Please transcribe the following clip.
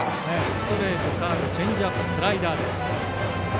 ストレート、カーブチェンジアップ、スライダーです。